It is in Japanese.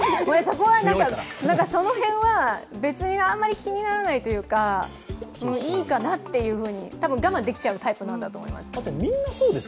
その辺は別にあんまり気にならないというかいいかなっていうふうに、たぶん、我慢できちゃうタイプなんだと思います。